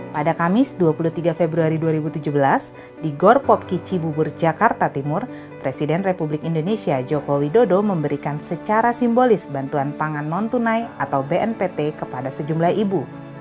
pada kamis dua puluh tiga februari dua ribu tujuh belas di gorpop kicibubur jakarta timur presiden republik indonesia joko widodo memberikan secara simbolis bantuan pangan non tunai atau bnpt kepada sejumlah ibu